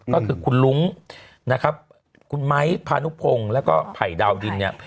ก็คือคุณลุ้งนะครับคุณไม้พานุพงศ์แล้วก็ไผ่ดาวดินเนี่ย